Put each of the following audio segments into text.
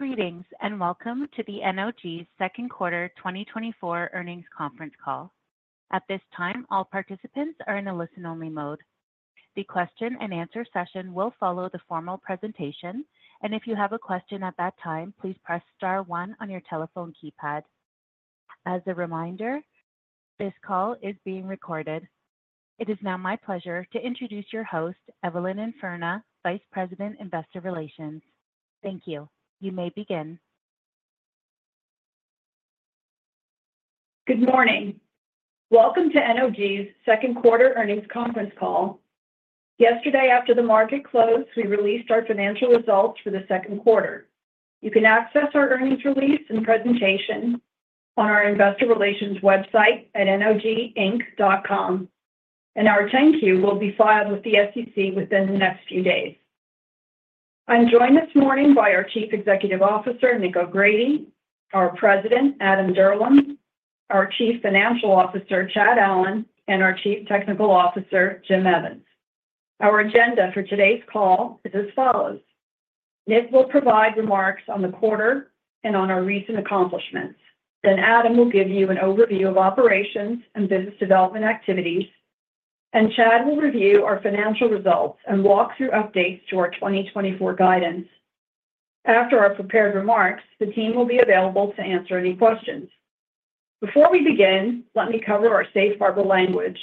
Greetings, and welcome to the NOG's second quarter 2024 earnings conference call. At this time, all participants are in a listen-only mode. The question and answer session will follow the formal presentation, and if you have a question at that time, please press star one on your telephone keypad. As a reminder, this call is being recorded. It is now my pleasure to introduce your host, Evelyn Infurna, Vice President, Investor Relations. Thank you. You may begin. Good morning. Welcome to NOG's second quarter earnings conference call. Yesterday, after the market closed, we released our financial results for the Q2. You can access our earnings release and presentation on our investor relations website at noginc.com, and our 10-Q will be filed with the SEC within the next few days. I'm joined this morning by our Chief Executive Officer, Nick O'Grady, our President, Adam Dirlam, our Chief Financial Officer, Chad Allen, and our Chief Technical Officer, Jim Evans. Our agenda for today's call is as follows: Nick will provide remarks on the quarter and on our recent accomplishments. Then Adam will give you an overview of operations and business development activities, and Chad will review our financial results and walk through updates to our 2024 guidance. After our prepared remarks, the team will be available to answer any questions. Before we begin, let me cover our safe harbor language.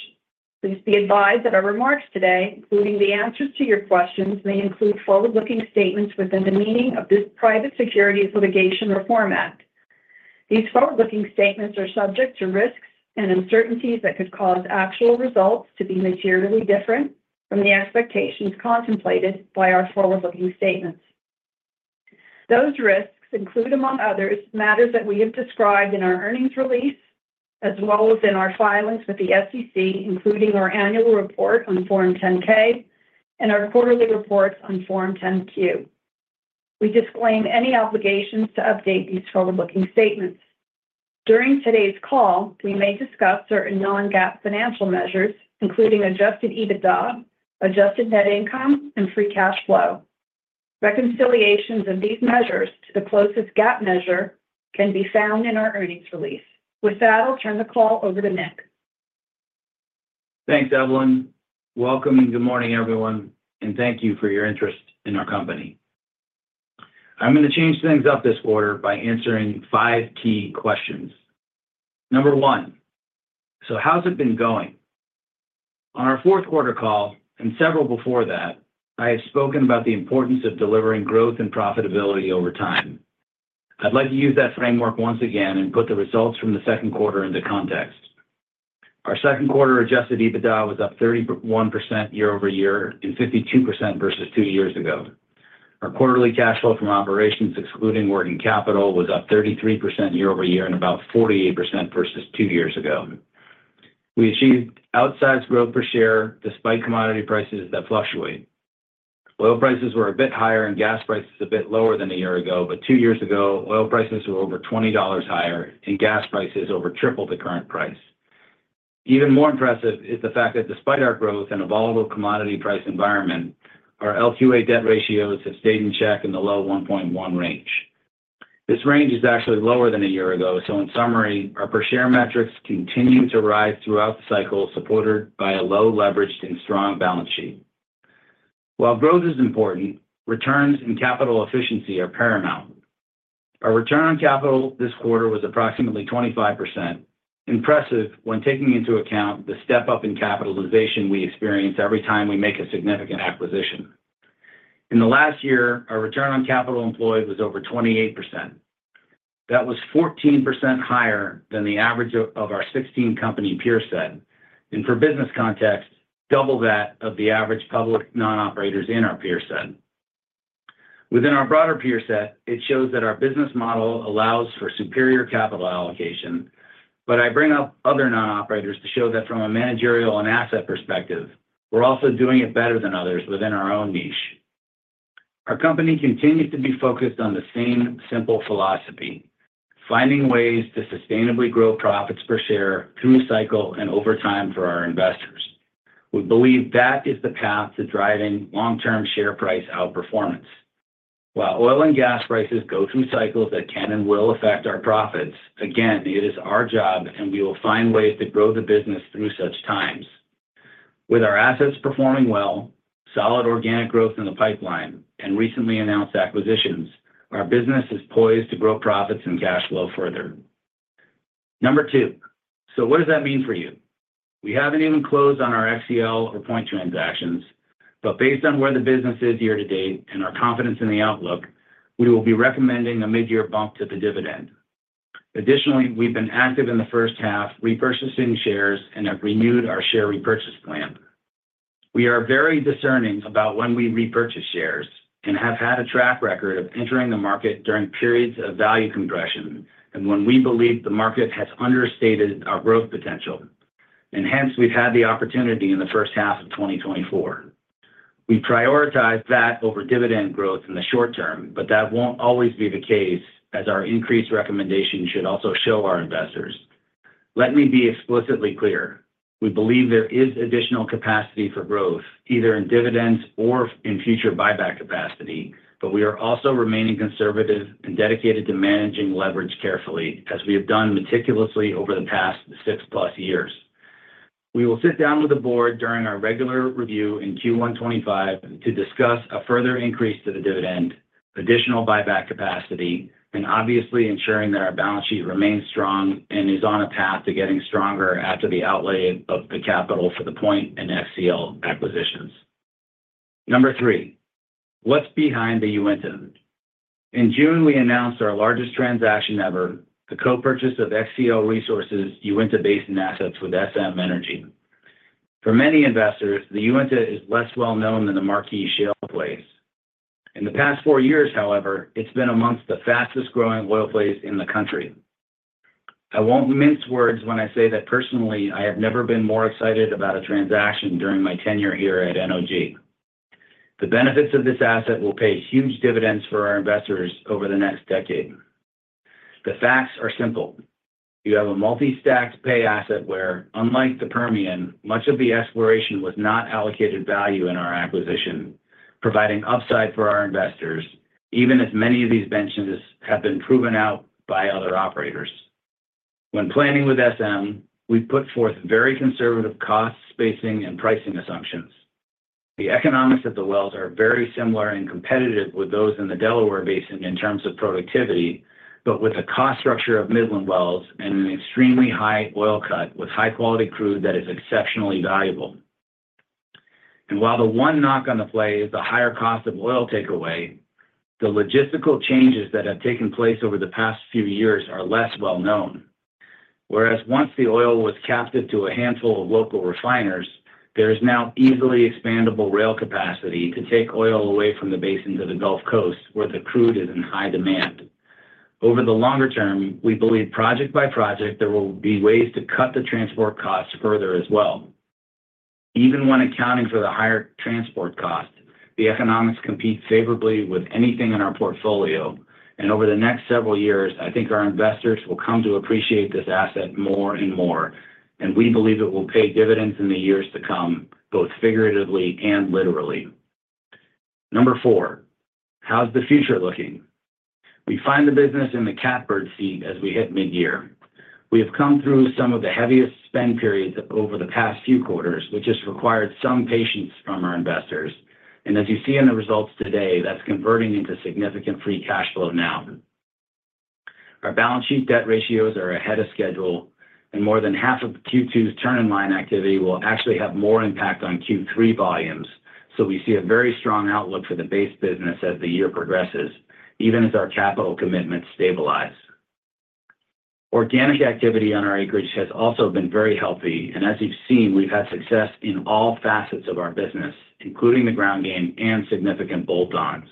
Please be advised that our remarks today, including the answers to your questions, may include forward-looking statements within the meaning of this Private Securities Litigation Reform Act. These forward-looking statements are subject to risks and uncertainties that could cause actual results to be materially different from the expectations contemplated by our forward-looking statements. Those risks include, among others, matters that we have described in our earnings release, as well as in our filings with the SEC, including our annual report on Form 10-K and our quarterly reports on Form 10-Q. We disclaim any obligations to update these forward-looking statements. During today's call, we may discuss certain non-GAAP financial measures, including Adjusted EBITDA, Adjusted Net Income, and Free Cash Flow. Reconciliations of these measures to the closest GAAP measure can be found in our earnings release. With that, I'll turn the call over to Nick. Thanks, Evelyn. Welcome, and good morning, everyone, and thank you for your interest in our company. I'm going to change things up this quarter by answering five key questions. Number one: So how's it been going? On our Q4 call and several before that, I have spoken about the importance of delivering growth and profitability over time. I'd like to use that framework once again and put the results from the Q2 into context. Our Q2 Adjusted EBITDA was up 31% year-over-year and 52% versus two years ago. Our quarterly cash flow from operations, excluding working capital, was up 33% year-over-year and about 48% versus two years ago. We achieved outsized growth per share despite commodity prices that fluctuate. Oil prices were a bit higher and gas prices a bit lower than a year ago, but two years ago, oil prices were over $20 higher and gas prices over triple the current price. Even more impressive is the fact that despite our growth in a volatile commodity price environment, our LQA debt ratios have stayed in check in the low 1.1 range. This range is actually lower than a year ago, so in summary, our per share metrics continue to rise throughout the cycle, supported by a low leverage and strong balance sheet. While growth is important, returns and capital efficiency are paramount. Our return on capital this quarter was approximately 25%. Impressive when taking into account the step-up in capitalization we experience every time we make a significant acquisition. In the last year, our return on capital employed was over 28%. That was 14% higher than the average of our 16-company peer set, and for business context, double that of the average public non-operators in our peer set. Within our broader peer set, it shows that our business model allows for superior capital allocation. I bring up other non-operators to show that from a managerial and asset perspective, we're also doing it better than others within our own niche. Our company continues to be focused on the same simple philosophy, finding ways to sustainably grow profits per share through the cycle and over time for our investors. We believe that is the path to driving long-term share price outperformance. While oil and gas prices go through cycles that can and will affect our profits, again, it is our job, and we will find ways to grow the business through such times. With our assets performing well, solid organic growth in the pipeline and recently announced acquisitions, our business is poised to grow profits and cash flow further. Number two: So what does that mean for you? We haven't even closed on our XCL or Point transactions, but based on where the business is year to date and our confidence in the outlook, we will be recommending a mid-year bump to the dividend. Additionally, we've been active in the H1, repurchasing shares and have renewed our share repurchase plan. We are very discerning about when we repurchase shares and have had a track record of entering the market during periods of value compression and when we believe the market has understated our growth potential, and hence, we've had the opportunity in the H1 of 2024. We prioritize that over dividend growth in the short term, but that won't always be the case, as our increased recommendation should also show our investors.... Let me be explicitly clear. We believe there is additional capacity for growth, either in dividends or in future buyback capacity, but we are also remaining conservative and dedicated to managing leverage carefully, as we have done meticulously over the past 6+ years. We will sit down with the board during our regular review in Q1 2025 to discuss a further increase to the dividend, additional buyback capacity, and obviously ensuring that our balance sheet remains strong and is on a path to getting stronger after the outlay of the capital for the Point and FCL acquisitions. Number three, what's behind the Uinta? In June, we announced our largest transaction ever, the co-purchase of XCL Resources' Uinta Basin assets with SM Energy. For many investors, the Uinta is less well known than the marquee shale plays. In the past four years, however, it's been among the fastest-growing oil plays in the country. I won't mince words when I say that personally, I have never been more excited about a transaction during my tenure here at NOG. The benefits of this asset will pay huge dividends for our investors over the next decade. The facts are simple: you have a multi-stacked pay asset where, unlike the Permian, much of the exploration was not allocated value in our acquisition, providing upside for our investors, even as many of these benches have been proven out by other operators. When planning with SM, we put forth very conservative cost, spacing, and pricing assumptions. The economics of the wells are very similar and competitive with those in the Delaware Basin in terms of productivity, but with a cost structure of Midland wells and an extremely high oil cut with high-quality crude that is exceptionally valuable. While the one knock on the play is the higher cost of oil takeaway, the logistical changes that have taken place over the past few years are less well known. Whereas once the oil was capped into a handful of local refiners, there is now easily expandable rail capacity to take oil away from the basin to the Gulf Coast, where the crude is in high demand. Over the longer term, we believe project by project, there will be ways to cut the transport costs further as well. Even when accounting for the higher transport cost, the economics compete favorably with anything in our portfolio, and over the next several years, I think our investors will come to appreciate this asset more and more, and we believe it will pay dividends in the years to come, both figuratively and literally. Number four, how's the future looking? We find the business in the catbird seat as we hit mid-year. We have come through some of the heaviest spend periods over the past few quarters, which has required some patience from our investors. As you see in the results today, that's converting into significant free cash flow now. Our balance sheet debt ratios are ahead of schedule, and more than half of Q2's turn-in-line activity will actually have more impact on Q3 volumes. So we see a very strong outlook for the base business as the year progresses, even as our capital commitments stabilize. Organic activity on our acreage has also been very healthy, and as you've seen, we've had success in all facets of our business, including the ground game and significant bolt-ons.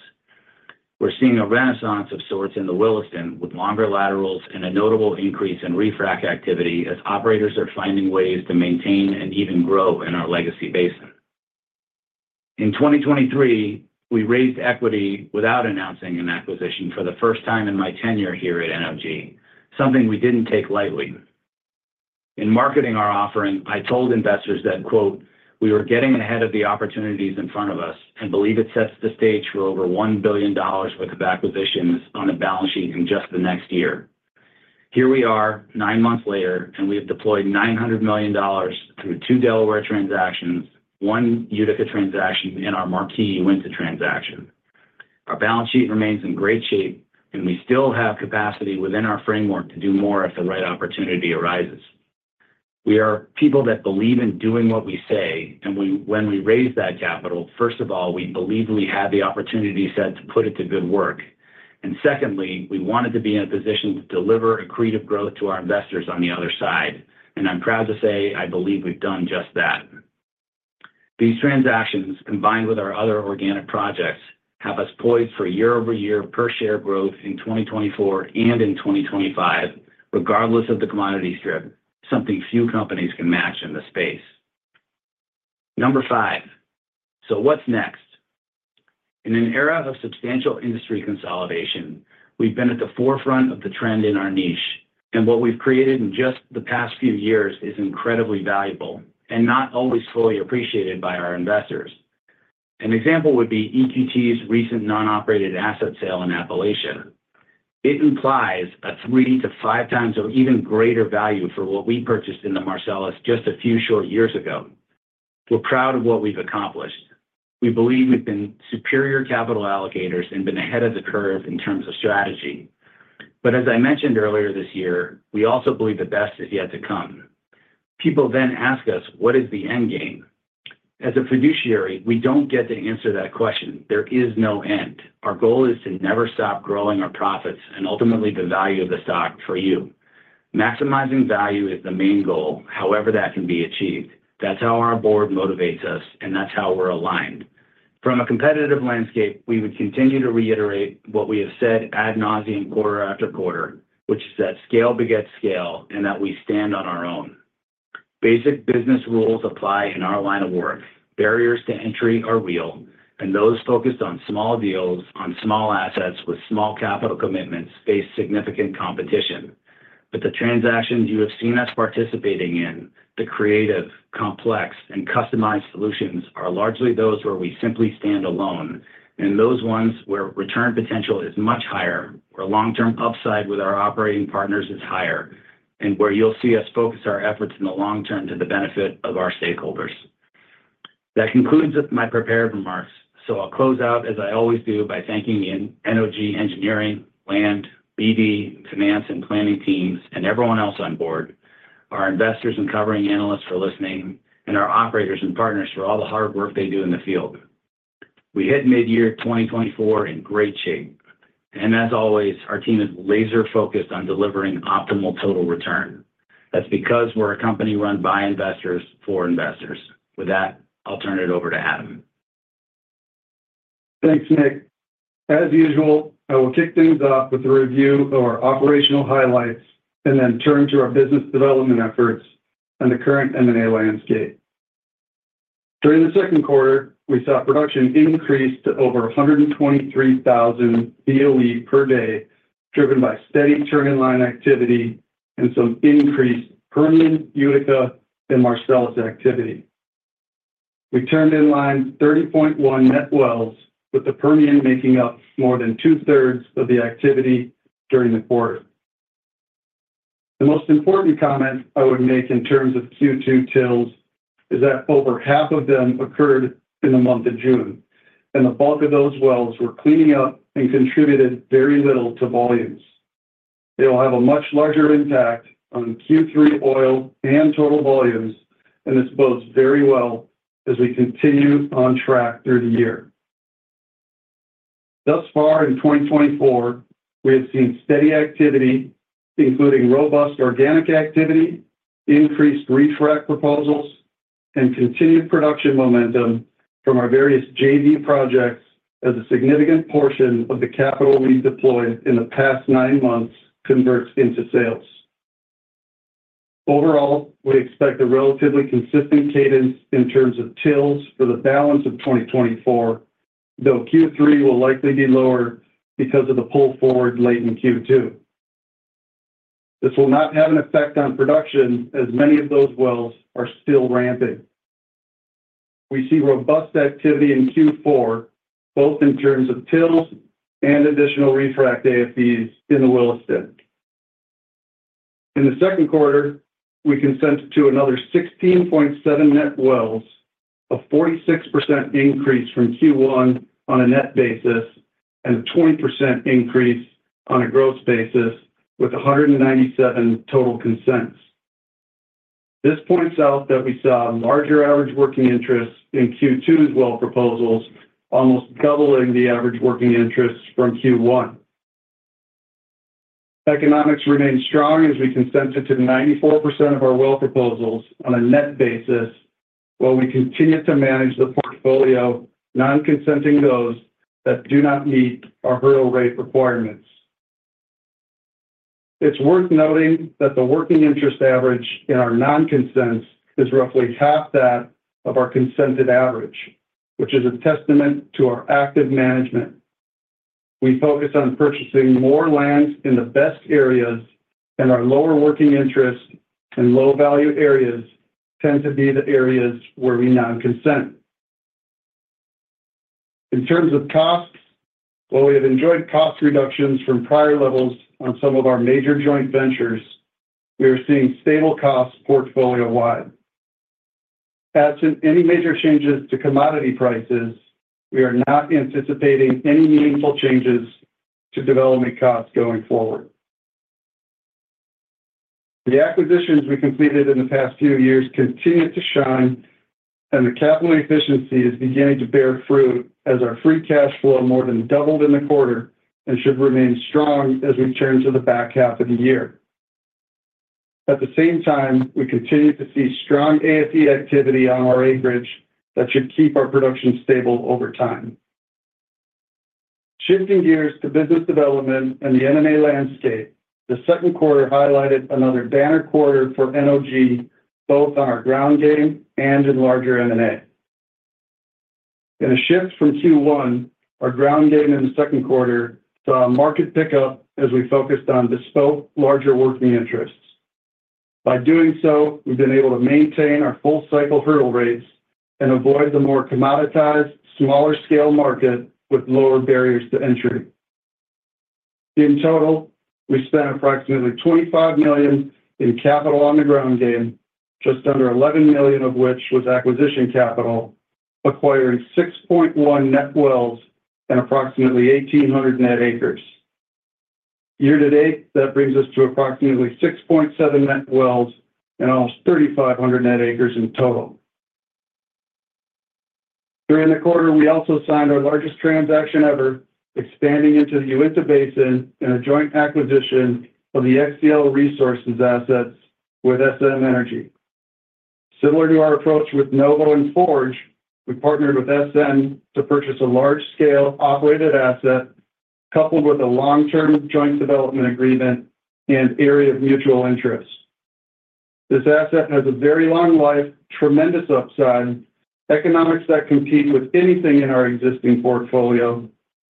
We're seeing a renaissance of sorts in the Williston, with longer laterals and a notable increase in refrac activity as operators are finding ways to maintain and even grow in our legacy basin. In 2023, we raised equity without announcing an acquisition for the first time in my tenure here at NOG, something we didn't take lightly. In marketing our offering, I told investors that, quote, "We were getting ahead of the opportunities in front of us, and believe it sets the stage for over $1 billion worth of acquisitions on the balance sheet in just the next year." Here we are, nine months later, and we have deployed $900 million through two Delaware transactions, one Utica transaction, and our marquee Uinta transaction. Our balance sheet remains in great shape, and we still have capacity within our framework to do more if the right opportunity arises. We are people that believe in doing what we say, and when we raise that capital, first of all, we believe we have the opportunity set to put it to good work. And secondly, we wanted to be in a position to deliver accretive growth to our investors on the other side. I'm proud to say, I believe we've done just that. These transactions, combined with our other organic projects, have us poised for year-over-year per share growth in 2024 and in 2025, regardless of the commodity strip, something few companies can match in the space. Number five: So what's next? In an era of substantial industry consolidation, we've been at the forefront of the trend in our niche, and what we've created in just the past few years is incredibly valuable and not always fully appreciated by our investors. An example would be EQT's recent non-operated asset sale in Appalachia. It implies a 3-5 times or even greater value for what we purchased in the Marcellus just a few short years ago. We're proud of what we've accomplished. We believe we've been superior capital allocators and been ahead of the curve in terms of strategy. But as I mentioned earlier this year, we also believe the best is yet to come. People then ask us, "What is the end game?" As a fiduciary, we don't get to answer that question. There is no end. Our goal is to never stop growing our profits and ultimately the value of the stock for you. Maximizing value is the main goal, however that can be achieved. That's how our board motivates us, and that's how we're aligned. From a competitive landscape, we would continue to reiterate what we have said ad nauseam quarter after quarter, which is that scale begets scale and that we stand on our own.... Basic business rules apply in our line of work. Barriers to entry are real, and those focused on small deals, on small assets with small capital commitments face significant competition. But the transactions you have seen us participating in, the creative, complex, and customized solutions, are largely those where we simply stand alone, and those ones where return potential is much higher, where long-term upside with our operating partners is higher, and where you'll see us focus our efforts in the long term to the benefit of our stakeholders. That concludes with my prepared remarks. So I'll close out as I always do, by thanking the NOG, engineering, land, BD, finance, and planning teams, and everyone else on board, our investors and covering analysts for listening, and our operators and partners for all the hard work they do in the field. We hit midyear 2024 in great shape, and as always, our team is laser-focused on delivering optimal total return. That's because we're a company run by investors, for investors. With that, I'll turn it over to Adam. Thanks, Nick. As usual, I will kick things off with a review of our operational highlights and then turn to our business development efforts and the current M&A landscape. During the Q2, we saw production increase to over 123,000 BOE per day, driven by steady turn-in-line activity and some increased Permian, Utica, and Marcellus activity. We turned in-line 30.1 net wells, with the Permian making up more than 2/3 of the activity during the quarter. The most important comment I would make in terms of Q2 TILs is that over half of them occurred in the month of June, and the bulk of those wells were cleaning up and contributed very little to volumes. They will have a much larger impact on Q3 oil and total volumes, and this bodes very well as we continue on track through the year. Thus far in 2024, we have seen steady activity, including robust organic activity, increased refrac proposals, and continued production momentum from our various JV projects as a significant portion of the capital we deployed in the past nine months converts into sales. Overall, we expect a relatively consistent cadence in terms of TILs for the balance of 2024, though Q3 will likely be lower because of the pull forward late in Q2. This will not have an effect on production, as many of those wells are still ramping. We see robust activity in Q4, both in terms of TILs and additional refrac AFEs in the Williston. In the Q2, we consent to another 16.7 net wells, a 46% increase from Q1 on a net basis and a 20% increase on a gross basis with 197 total consents. This points out that we saw a larger average working interest in Q2's well proposals, almost doubling the average working interest from Q1. Economics remain strong as we consent to 94% of our well proposals on a net basis, while we continue to manage the portfolio, non-consenting those that do not meet our hurdle rate requirements. It's worth noting that the working interest average in our non-consents is roughly half that of our consented average, which is a testament to our active management. We focus on purchasing more lands in the best areas, and our lower working interests in low-value areas tend to be the areas where we non-consent. In terms of costs, while we have enjoyed cost reductions from prior levels on some of our major joint ventures, we are seeing stable costs portfolio-wide. Absent any major changes to commodity prices, we are not anticipating any meaningful changes to development costs going forward. The acquisitions we completed in the past few years continue to shine, and the capital efficiency is beginning to bear fruit as our Free Cash Flow more than doubled in the quarter and should remain strong as we turn to the back half of the year. At the same time, we continue to see strong AFE activity on our acreage that should keep our production stable over time. Shifting gears to business development and the M&A landscape, the Q2 highlighted another banner quarter for NOG, both on our ground game and in larger M&A. In a shift from Q1, our ground game in the Q2 saw market pickup as we focused on bespoke larger working interests. By doing so, we've been able to maintain our full cycle hurdle rates and avoid the more commoditized, smaller scale market with lower barriers to entry. In total, we spent approximately $25 million in capital on the ground game, just under $11 million of which was acquisition capital, acquiring 6.1 net wells and approximately 1,800 net acres. Year to date, that brings us to approximately 6.7 net wells and almost 3,500 net acres in total. During the quarter, we also signed our largest transaction ever, expanding into the Uinta Basin in a joint acquisition of the XCL Resources assets with SM Energy. Similar to our approach with Novo and Forge, we partnered with SM to purchase a large-scale operated asset, coupled with a long-term joint development agreement and area of mutual interest. This asset has a very long life, tremendous upside, economics that compete with anything in our existing portfolio,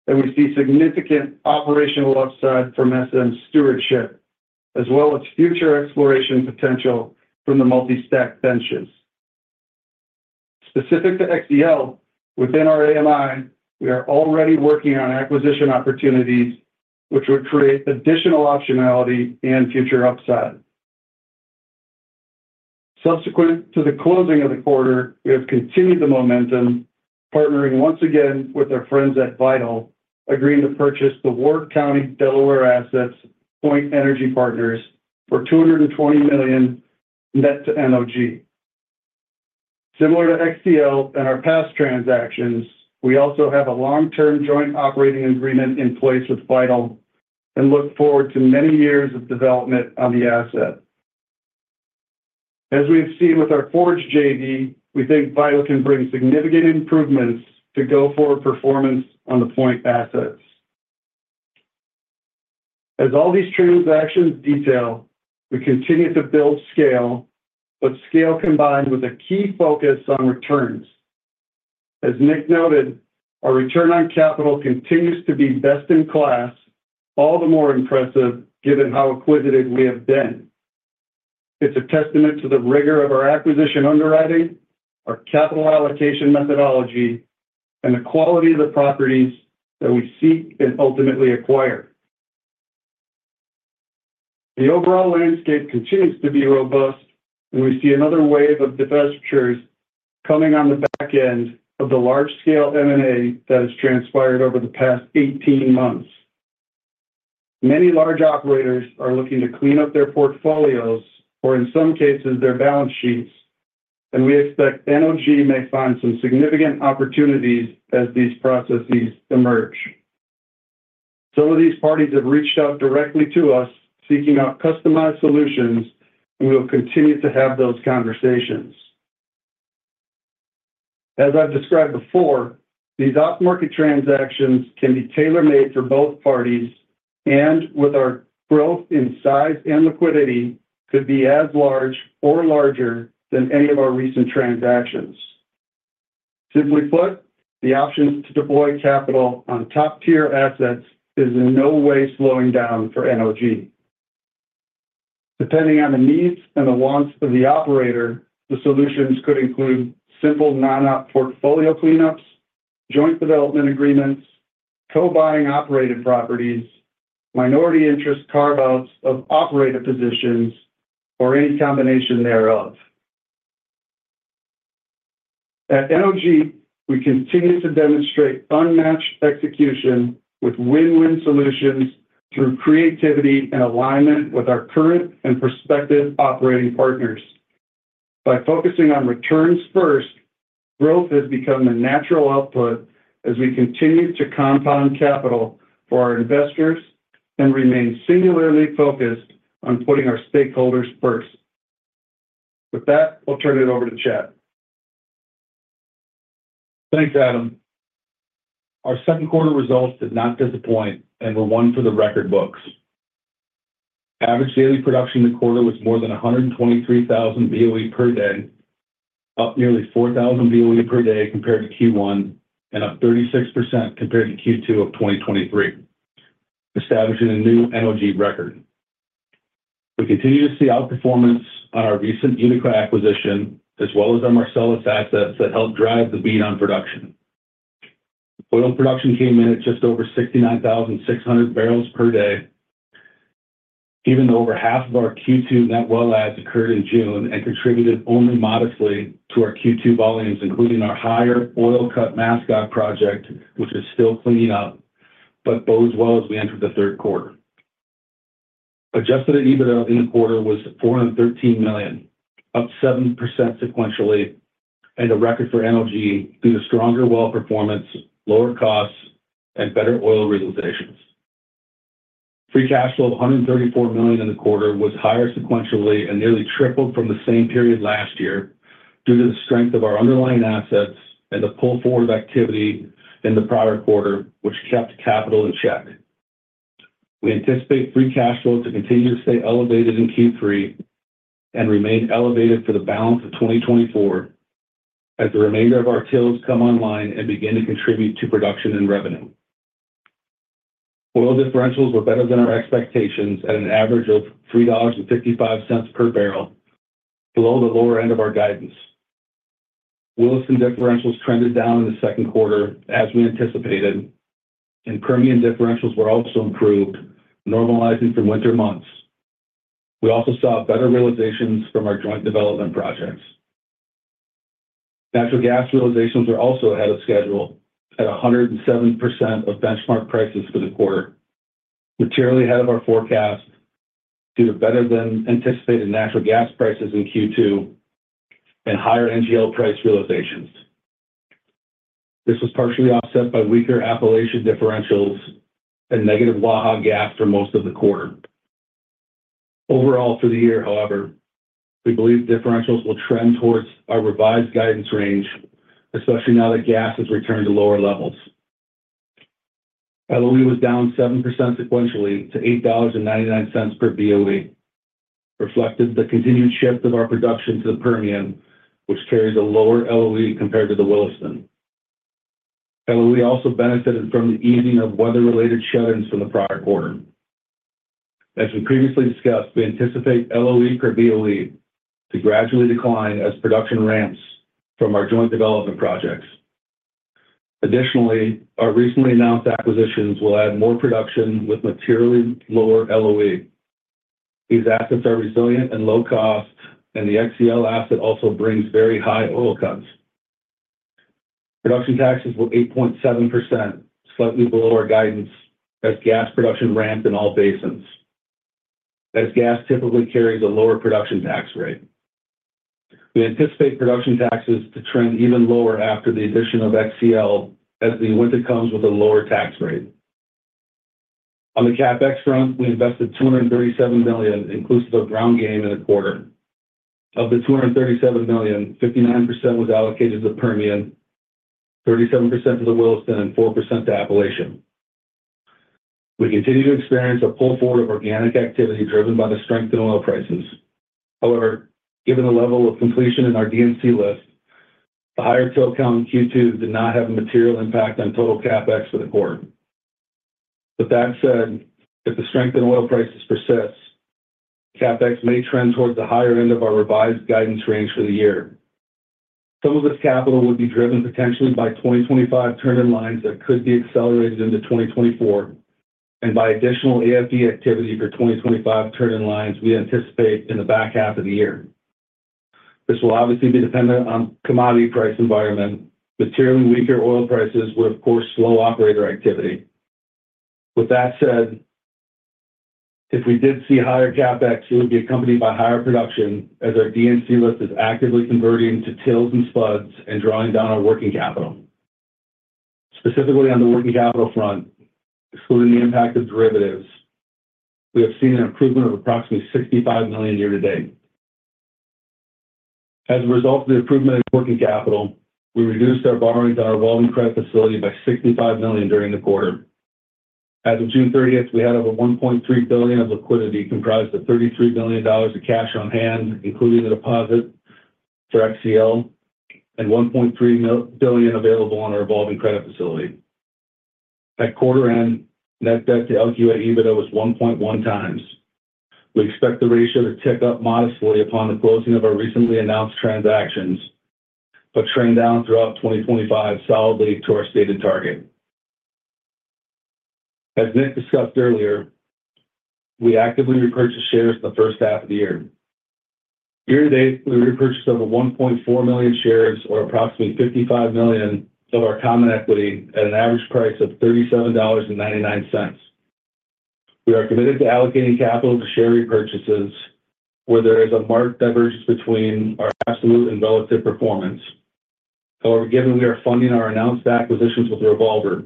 and we see significant operational upside from SM stewardship, as well as future exploration potential from the multi-stack benches. Specific to XCL, within our AMI, we are already working on acquisition opportunities, which would create additional optionality and future upside. Subsequent to the closing of the quarter, we have continued the momentum, partnering once again with our friends at Vital, agreeing to purchase the Ward County, Delaware assets, Point Energy Partners, for $220 million net to NOG. Similar to XCL and our past transactions, we also have a long-term joint operating agreement in place with Vital and look forward to many years of development on the asset. As we have seen with our Forge JV, we think Vital can bring significant improvements to go forward performance on the Point assets. As all these transactions detail, we continue to build scale, but scale combined with a key focus on returns. As Nick noted, our return on capital continues to be best in class, all the more impressive given how acquisitive we have been. It's a testament to the rigor of our acquisition underwriting, our capital allocation methodology, and the quality of the properties that we seek and ultimately acquire. The overall landscape continues to be robust, and we see another wave of divestitures coming on the back end of the large-scale M&A that has transpired over the past 18 months. Many large operators are looking to clean up their portfolios, or in some cases, their balance sheets, and we expect NOG may find some significant opportunities as these processes emerge. Some of these parties have reached out directly to us, seeking out customized solutions, and we will continue to have those conversations. As I've described before, these off-market transactions can be tailor-made for both parties, and with our growth in size and liquidity, could be as large or larger than any of our recent transactions. Simply put, the option to deploy capital on top-tier assets is in no way slowing down for NOG. Depending on the needs and the wants of the operator, the solutions could include simple non-op portfolio cleanups, joint development agreements, co-buying operated properties, minority interest carve-outs of operator positions, or any combination thereof. At NOG, we continue to demonstrate unmatched execution with win-win solutions through creativity and alignment with our current and prospective operating partners. By focusing on returns first, growth has become a natural output as we continue to compound capital for our investors and remain singularly focused on putting our stakeholders first. With that, I'll turn it over to Chad. Thanks, Adam. Our Q2 results did not disappoint and were one for the record books. Average daily production in the quarter was more than 123,000 BOE per day, up nearly 4,000 BOE per day compared to Q1, and up 36% compared to Q2 of 2023, establishing a new NOG record. We continue to see outperformance on our recent Utica acquisition, as well as our Marcellus assets that helped drive the beat on production. Oil production came in at just over 69,600 barrels per day, even though over half of our Q2 net well adds occurred in June and contributed only modestly to our Q2 volumes, including our higher oil cut Mascot Project, which is still cleaning up, but both wells we entered the Q3. Adjusted EBITDA in the quarter was $413 million, up 7% sequentially, and a record for NOG due to stronger well performance, lower costs, and better oil realizations. Free Cash Flow of $134 million in the quarter was higher sequentially and nearly tripled from the same period last year due to the strength of our underlying assets and the pull forward activity in the prior quarter, which kept capital in check. We anticipate Free Cash Flow to continue to stay elevated in Q3 and remain elevated for the balance of 2024 as the remainder of our wells come online and begin to contribute to production and revenue. Oil differentials were better than our expectations at an average of $3.55 per barrel, below the lower end of our guidance. Williston differentials trended down in the Q2, as we anticipated, and Permian differentials were also improved, normalizing from winter months. We also saw better realizations from our joint development projects. Natural gas realizations were also ahead of schedule at 107% of benchmark prices for the quarter, materially ahead of our forecast, due to better-than-anticipated natural gas prices in Q2 and higher NGL price realizations. This was partially offset by weaker Appalachian differentials and negative WAHA gas for most of the quarter.... Overall for the year, however, we believe differentials will trend towards our revised guidance range, especially now that gas has returned to lower levels. LOE was down 7% sequentially to $8.99 per BOE, reflected the continued shift of our production to the Permian, which carries a lower LOE compared to the Williston. LOE also benefited from the easing of weather-related shutdowns from the prior quarter. As we previously discussed, we anticipate LOE per BOE to gradually decline as production ramps from our joint development projects. Additionally, our recently announced acquisitions will add more production with materially lower LOE. These assets are resilient and low cost, and the XCL asset also brings very high oil cuts. Production taxes were 8.7%, slightly below our guidance, as gas production ramped in all basins, as gas typically carries a lower production tax rate. We anticipate production taxes to trend even lower after the addition of XCL, as the winter comes with a lower tax rate. On the CapEx front, we invested $237 million, inclusive of ground game, in a quarter. Of the $237 million, 59% was allocated to the Permian, 37% to the Williston, and 4% to Appalachian. We continue to experience a pull forward of organic activity, driven by the strength in oil prices. However, given the level of completion in our DNC list, the higher TIL count in Q2 did not have a material impact on total CapEx for the quarter. With that said, if the strength in oil prices persists, CapEx may trend towards the higher end of our revised guidance range for the year. Some of this capital would be driven potentially by 2025 turn-in-lines that could be accelerated into 2024, and by additional AFE activity for 2025 turn-in-lines we anticipate in the back half of the year. This will obviously be dependent on commodity price environment. Materially weaker oil prices would, of course, slow operator activity. With that said, if we did see higher CapEx, it would be accompanied by higher production, as our DNC list is actively converting to TILs and spuds and drawing down our working capital. Specifically on the working capital front, excluding the impact of derivatives, we have seen an improvement of approximately $65 million year to date. As a result of the improvement in working capital, we reduced our borrowings on our revolving credit facility by $65 million during the quarter. As of June 13th, we had over $1.3 billion of liquidity, comprised of $33 million of cash on hand, including the deposit for XCL, and $1.3 billion available on our revolving credit facility. At quarter end, net debt to LQA EBITDA was 1.1x. We expect the ratio to tick up modestly upon the closing of our recently announced transactions, but trend down throughout 2025 solidly to our stated target. As Nick discussed earlier, we actively repurchased shares in the first half of the year. Year to date, we repurchased over 1.4 million shares, or approximately $55 million of our common equity, at an average price of $37.99. We are committed to allocating capital to share repurchases where there is a marked divergence between our absolute and relative performance. However, given we are funding our announced acquisitions with a revolver,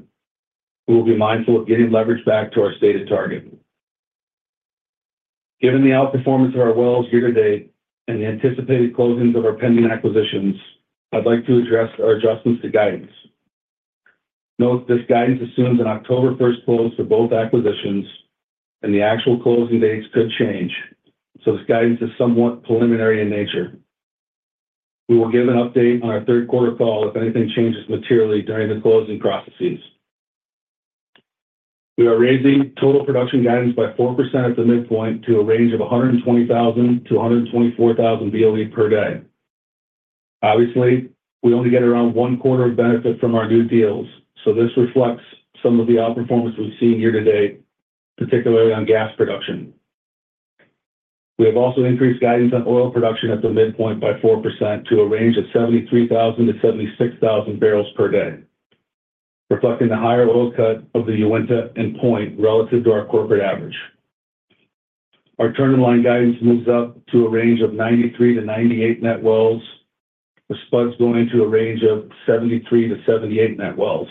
we will be mindful of getting leverage back to our stated target. Given the outperformance of our wells year to date and the anticipated closings of our pending acquisitions, I'd like to address our adjustments to guidance. Note, this guidance assumes an October 1st close for both acquisitions, and the actual closing dates could change, so this guidance is somewhat preliminary in nature. We will give an update on our third quarter call if anything changes materially during the closing processes. We are raising total production guidance by 4% at the midpoint to a range of 120,000-124,000 BOE per day. Obviously, we only get around one quarter of benefit from our new deals, so this reflects some of the outperformance we've seen year to date, particularly on gas production. We have also increased guidance on oil production at the midpoint by 4% to a range of 73,000-76,000 barrels per day, reflecting the higher oil cut of the Uinta and Point relative to our corporate average. Our turn-in-line guidance moves up to a range of 93-98 net wells, with spuds going to a range of 73-78 net wells.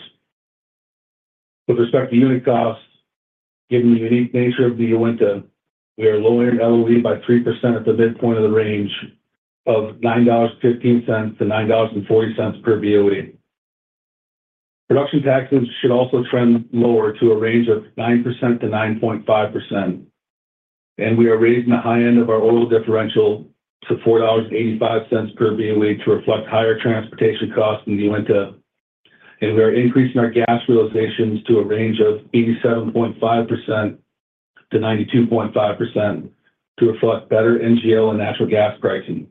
With respect to unit costs, given the unique nature of the Uinta, we are lowering LOE by 3% at the midpoint of the range of $9.15-$9.40 per BOE. Production taxes should also trend lower to a range of 9%-9.5%, and we are raising the high end of our oil differential to $4.85 per BOE to reflect higher transportation costs in the Uinta, and we are increasing our gas realizations to a range of 87.5%-92.5% to reflect better NGL and natural gas pricing.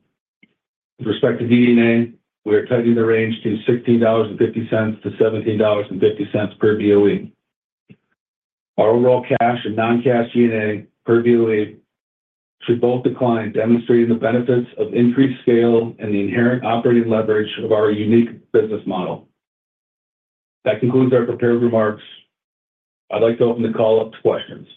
With respect to DD&A, we are tightening the range to $16.50-$17.50 per BOE. Our overall cash and non-cash DD&A per BOE should both decline, demonstrating the benefits of increased scale and the inherent operating leverage of our unique business model. That concludes our prepared remarks. I'd like to open the call up to questions.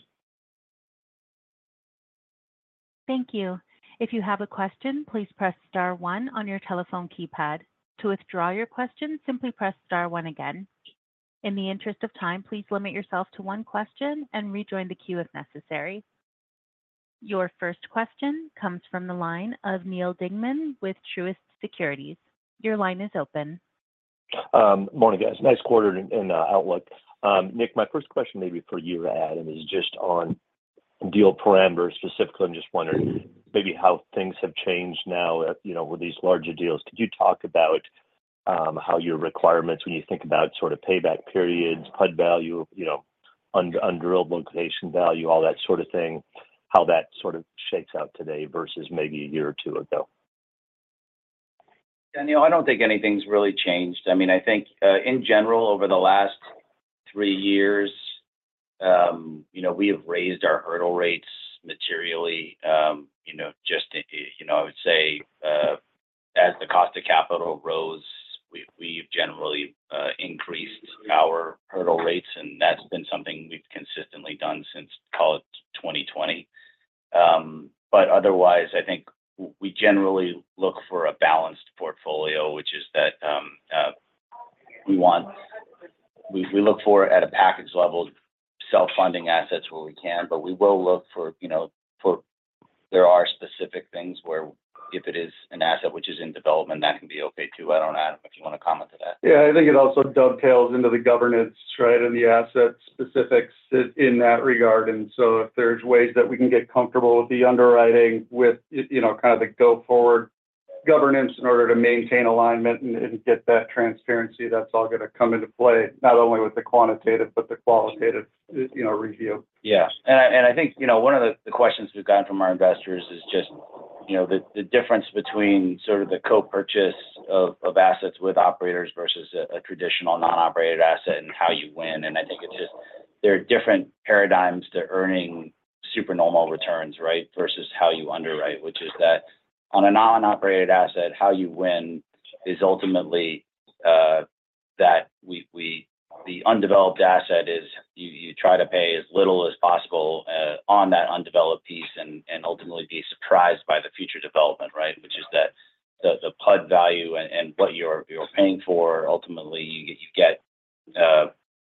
Thank you. If you have a question, please press star one on your telephone keypad. To withdraw your question, simply press star one again.... In the interest of time, please limit yourself to one question and rejoin the queue if necessary. Your first question comes from the line of Neal Dingmann with Truist Securities. Your line is open. Morning, guys. Nice quarter and outlook. Nick, my first question maybe for you to add is just on deal parameters. Specifically, I'm just wondering maybe how things have changed now at, you know, with these larger deals. Could you talk about how your requirements, when you think about sort of payback periods, PUD value, you know, undeveloped location value, all that sort of thing, how that sort of shakes out today versus maybe a year or two ago? Yeah, Neal, I don't think anything's really changed. I mean, I think, in general, over the last three years, you know, we have raised our hurdle rates materially. You know, just to, you know, I would say, as the cost of capital rose, we've generally increased our hurdle rates, and that's been something we've consistently done since, call it, 2020. But otherwise, I think we generally look for a balanced portfolio, which is that, we want—we, we look for at a package level, self-funding assets where we can, but we will look for, you know, for... There are specific things where if it is an asset which is in development, that can be okay too. I don't know, Adam, if you want to comment to that. Yeah, I think it also dovetails into the governance, right, and the asset specifics in that regard. So if there's ways that we can get comfortable with the underwriting, with you know, kind of the go-forward governance in order to maintain alignment and get that transparency, that's all gonna come into play, not only with the quantitative, but the qualitative, you know, review. Yeah. And I think, you know, one of the questions we've gotten from our investors is just, you know, the difference between sort of the co-purchase of assets with operators versus a traditional non-operated asset and how you win. And I think it's just... There are different paradigms to earning supernormal returns, right, versus how you underwrite, which is that on a non-operated asset, how you win is ultimately that the undeveloped asset is you try to pay as little as possible on that undeveloped piece and ultimately be surprised by the future development, right? Which is that the PUD value and what you're paying for, ultimately, you get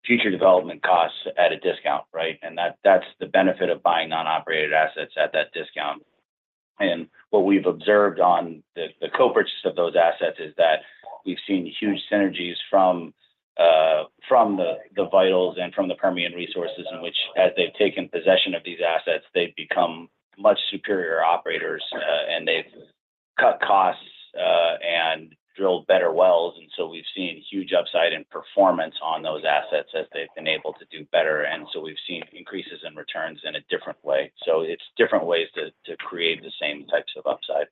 future development costs at a discount, right? And that's the benefit of buying non-operated assets at that discount. And what we've observed on the co-purchase of those assets is that we've seen huge synergies from the Vital's and from the Permian Resources, in which, as they've taken possession of these assets, they've become much superior operators, and they've cut costs, and drilled better wells. And so we've seen huge upside in performance on those assets as they've been able to do better, and so we've seen increases in returns in a different way. So it's different ways to create the same types of upside.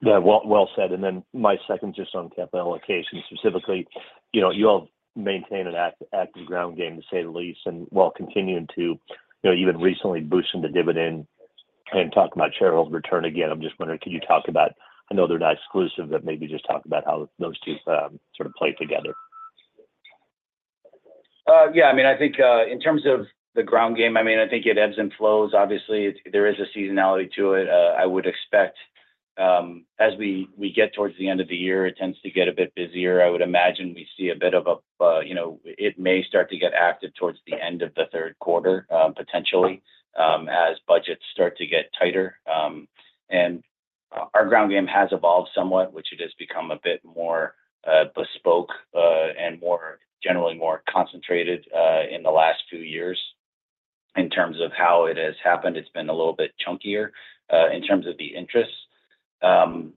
Yeah. Well, well said. And then my second, just on capital allocation, specifically, you know, you all maintain an active ground game, to say the least, and while continuing to, you know, even recently boosting the dividend and talking about shareholder return again, I'm just wondering, could you talk about, I know they're not exclusive, but maybe just talk about how those two sort of play together. Yeah, I mean, I think, in terms of the ground game, I mean, I think it ebbs and flows. Obviously, there is a seasonality to it. I would expect, as we get towards the end of the year, it tends to get a bit busier. I would imagine we see a bit of a... You know, it may start to get active towards the end of the third quarter, potentially, as budgets start to get tighter. And, our ground game has evolved somewhat, which it has become a bit more, bespoke, and more, generally more concentrated, in the last two years. In terms of how it has happened, it's been a little bit chunkier, in terms of the interest.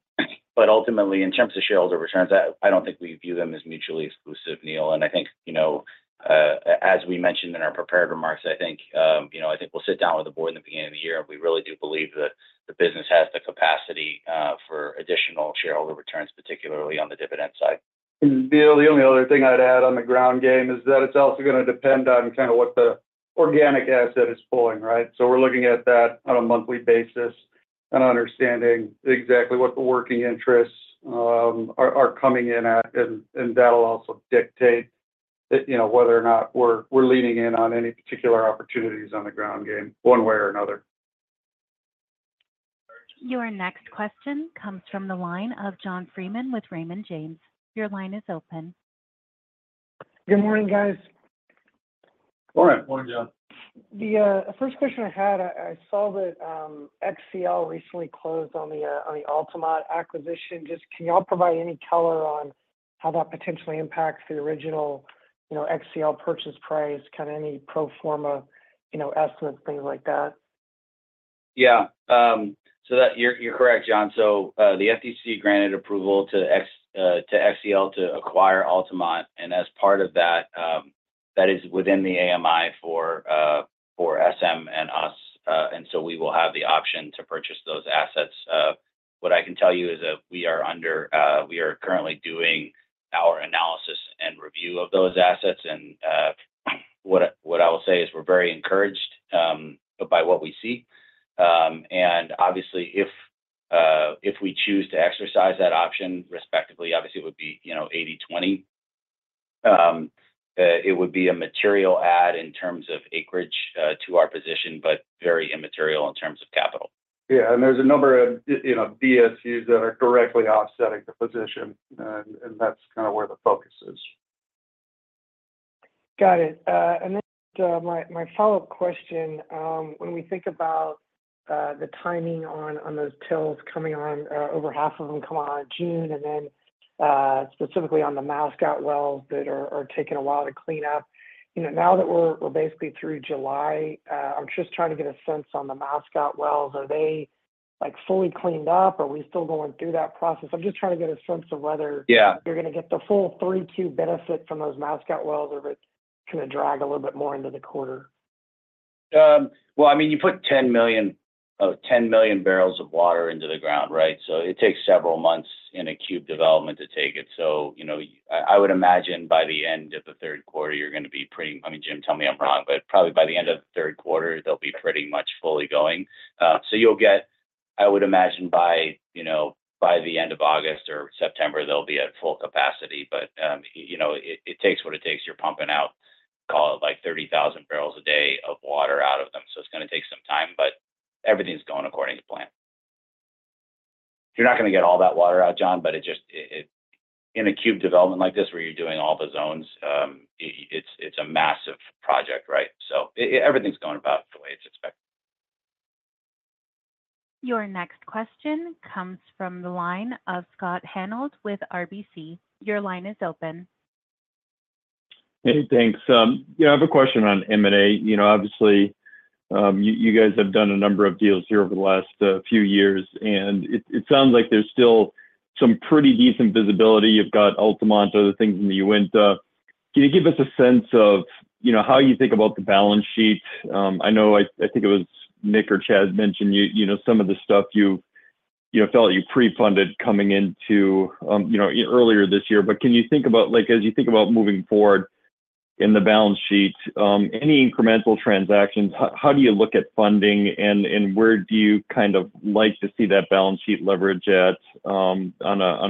But ultimately, in terms of shareholder returns, I don't think we view them as mutually exclusive, Neil. And I think, you know, as we mentioned in our prepared remarks, I think, you know, I think we'll sit down with the board in the beginning of the year, and we really do believe that the business has the capacity for additional shareholder returns, particularly on the dividend side. Neal, the only other thing I'd add on the ground game is that it's also gonna depend on kind of what the organic asset is pulling, right? So we're looking at that on a monthly basis and understanding exactly what the working interests are coming in at. That'll also dictate that, you know, whether or not we're leaning in on any particular opportunities on the ground game, one way or another. Your next question comes from the line of John Freeman with Raymond James. Your line is open. Good morning, guys. Morning. Morning, John. The first question I had, I saw that XCL recently closed on the Altamont acquisition. Just, can you all provide any color on how that potentially impacts the original, you know, XCL purchase price? Kind of any pro forma, you know, estimates, things like that. Yeah, so that... You're correct, John. So, the FTC granted approval to XCL to acquire Altamont, and as part of that, that is within the AMI for SM and us. And so we will have the option to purchase those assets. What I can tell you is that we are currently doing our analysis and review of those assets. And what I will say is we're very encouraged by what we see. And obviously, if we choose to exercise that option, respectively, obviously, it would be, you know, 80/20. It would be a material add in terms of acreage to our position, but very immaterial in terms of capital.... Yeah, and there's a number of, you know, DSUs that are directly offsetting the position, and that's kind of where the focus is. Got it. And then, my, my follow-up question, when we think about the timing on those TILs coming on, over half of them come on in June, and then, specifically on the Mascot Wells that are taking a while to clean up. You know, now that we're, we're basically through July, I'm just trying to get a sense on the Mascot Wells. Are they, like, fully cleaned up? Are we still going through that process? I'm just trying to get a sense of whether- Yeah - You're gonna get the full 3Q benefit from those Mascot Wells, or if it's gonna drag a little bit more into the quarter? Well, I mean, you put 10 million, 10 million barrels of water into the ground, right? So it takes several months in a cube development to take it. So, you know, I would imagine by the end of the Q3, you're gonna be pretty... I mean, Jim, tell me if I'm wrong, but probably by the end of the Q3, they'll be pretty much fully going. So you'll get, I would imagine, by, you know, by the end of August or September, they'll be at full capacity. But, you know, it, it takes what it takes. You're pumping out, call it, like, 30,000 barrels a day of water out of them, so it's gonna take some time, but everything's going according to plan. You're not gonna get all that water out, John, but it just, it, it... In a cube development like this, where you're doing all the zones, it's a massive project, right? So everything's going about the way it's expected. Your next question comes from the line of Scott Hanold with RBC. Your line is open. Hey, thanks. Yeah, I have a question on M&A. You know, obviously, you guys have done a number of deals here over the last few years, and it sounds like there's still some pretty decent visibility. You've got Altamont other things in the Uinta. Can you give us a sense of, you know, how you think about the balance sheet? I know, I think it was Nick or Chad mentioned you, you know, some of the stuff you, you know, felt you pre-funded coming into, you know, earlier this year. But can you think about, like, as you think about moving forward in the balance sheet, any incremental transactions, how do you look at funding, and where do you kind of like to see that balance sheet leverage at, on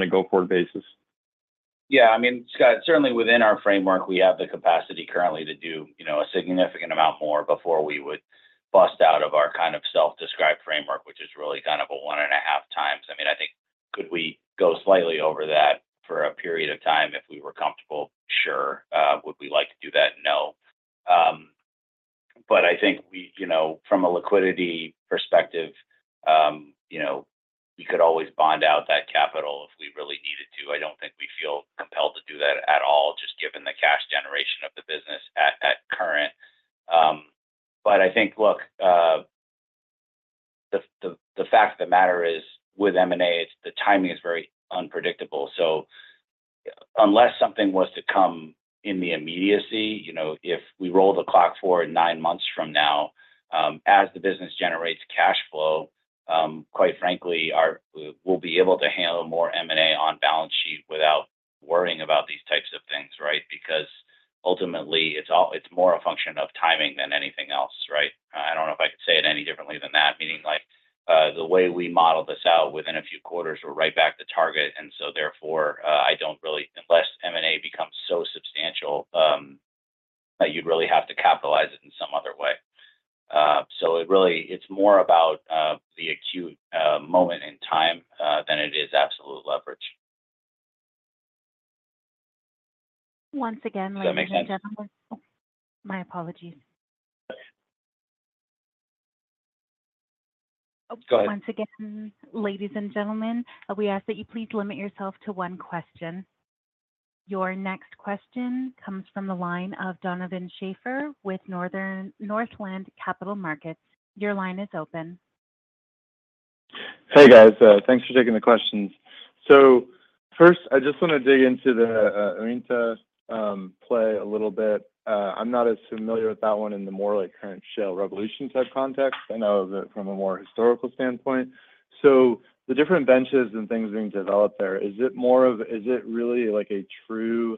a go-forward basis? Yeah, I mean, Scott, certainly within our framework, we have the capacity currently to do, you know, a significant amount more before we would bust out of our kind of self-described framework, which is really kind of a one and a half times. I mean, I think, could we go slightly over that for a period of time if we were comfortable? Sure. Would we like to do that? No. But I think we, you know, from a liquidity perspective, you know, we could always bond out that capital if we really needed to. I don't think we feel compelled to do that at all, just given the cash generation of the business at current. But I think, look, the fact of the matter is, with M&A, it's the timing is very unpredictable. So unless something was to come in the immediacy, you know, if we roll the clock forward nine months from now, as the business generates cash flow, quite frankly, we'll be able to handle more M&A on balance sheet without worrying about these types of things, right? Because ultimately, it's more a function of timing than anything else, right? I don't know if I could say it any differently than that. Meaning, like, the way we model this out, within a few quarters, we're right back to target, and so therefore, I don't really unless M&A becomes so substantial, that you'd really have to capitalize it in some other way. So it really, it's more about, the acute moment in time, than it is absolute leverage. Once again, ladies and gentlemen- Does that make sense? My apologies. Thanks. Go ahead. Once again, ladies and gentlemen, we ask that you please limit yourself to one question. Your next question comes from the line of Donovan Schafer with Northland Capital Markets. Your line is open. Hey, guys. Thanks for taking the questions. So first, I just want to dig into the Uinta play a little bit. I'm not as familiar with that one in the more, like, current shale revolution type context. I know of it from a more historical standpoint. So the different benches and things being developed there, is it more of, is it really like a true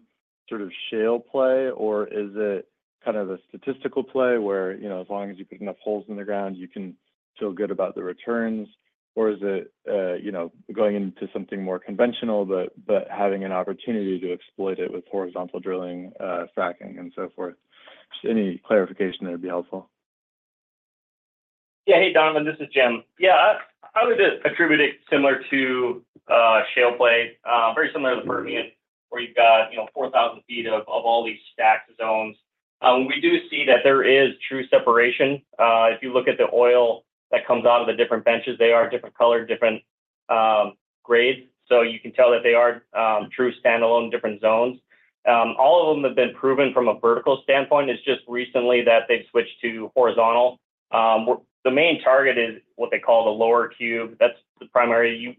sort of shale play, or is it kind of a statistical play, where, you know, as long as you put enough holes in the ground, you can feel good about the returns? Or is it, you know, going into something more conventional, but having an opportunity to exploit it with horizontal drilling, fracking, and so forth? Just any clarification there would be helpful. Yeah. Hey, Donovan, this is Jim. Yeah, I would just attribute it similar to a shale play, very similar to the Permian, where you've got, you know, 4,000 ft of all these stacked zones. We do see that there is true separation. If you look at the oil that comes out of the different benches, they are different color, different grades. So you can tell that they are true standalone different zones. All of them have been proven from a vertical standpoint. It's just recently that they've switched to horizontal. The main target is what they call the Lower Cube. That's the primary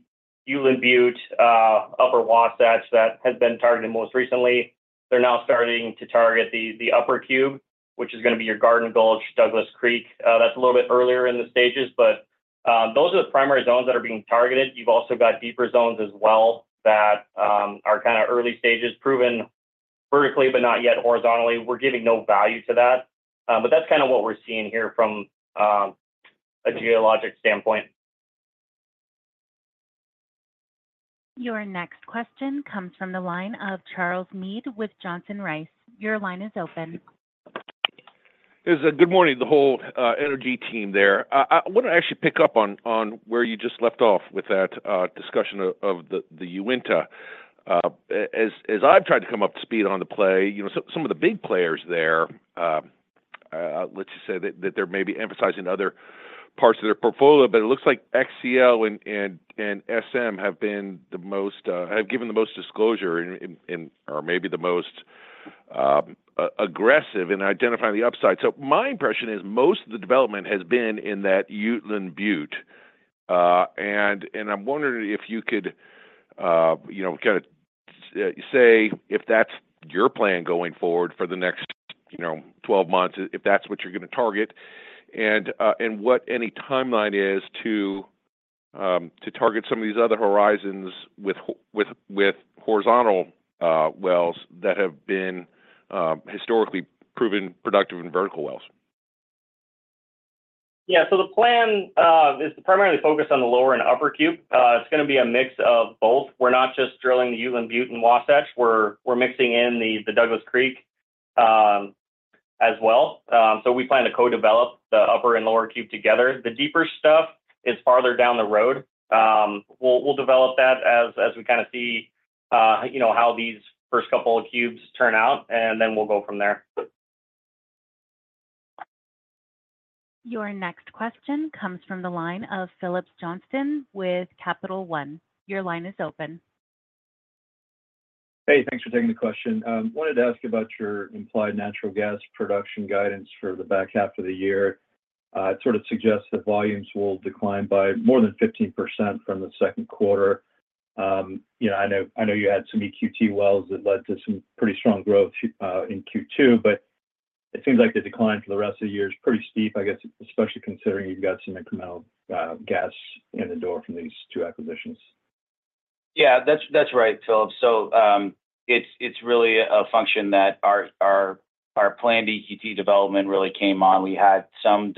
Uinta Butte, upper Wasatch that has been targeted most recently. They're now starting to target the Upper Cube, which is gonna be your Garden Gulch, Douglas Creek. That's a little bit earlier in the stages, but those are the primary zones that are being targeted. You've also got deeper zones as well, that are kind of early stages, proven vertically, but not yet horizontally. We're giving no value to that, but that's kind of what we're seeing here from a geologic standpoint. Your next question comes from the line of Charles Meade with Johnson Rice. Your line is open. Listen, good morning, the whole energy team there. I wanna actually pick up on where you just left off with that discussion of the Uinta. As I've tried to come up to speed on the play, you know, some of the big players there. Let's just say that they may be emphasizing other parts of their portfolio, but it looks like XCL and SM have been the most have given the most disclosure in or maybe the most aggressive in identifying the upside. So my impression is most of the development has been in that Uinta Butte. And I'm wondering if you could, you know, kinda say if that's your plan going forward for the next 12 months, if that's what you're gonna target. And what any timeline is to target some of these other horizons with horizontal wells that have been historically proven productive in vertical wells. Yeah. So the plan is to primarily focus on the Lower and Upper Cube. It's gonna be a mix of both. We're not just drilling the Uinta Butte and Wasatch, we're mixing in the Douglas Creek as well. So we plan to co-develop the Upper and Lower Cube together. The deeper stuff is farther down the road. We'll develop that as we kinda see you know how these first couple of cubes turn out, and then we'll go from there. Your next question comes from the line of Phillips Johnston with Capital One. Your line is open. Hey, thanks for taking the question. Wanted to ask you about your implied natural gas production guidance for the back half of the year. It sort of suggests that volumes will decline by more than 15% from the Q2. You know, I know, I know you had some EQT wells that led to some pretty strong growth in Q2, but it seems like the decline for the rest of the year is pretty steep, I guess, especially considering you've got some incremental gas in the door from these two acquisitions. Yeah. That's right, Philip. So, it's really a function that our planned EQT development really came on. We had some